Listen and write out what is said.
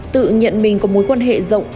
tự nhận mình có mối quan hệ rộng